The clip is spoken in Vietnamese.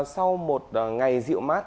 sau một ngày dịu mát